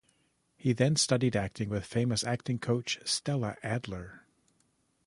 He then studied acting with famous acting coach Stella Adler.